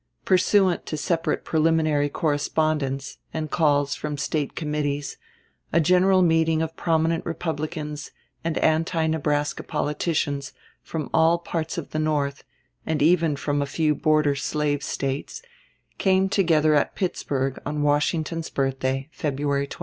Pursuant to separate preliminary correspondence and calls from State committees, a general meeting of prominent Republicans and anti Nebraska politicians from all parts of the North, and even from a few border slave States, came together at Pittsburgh on Washington's birthday, February 22.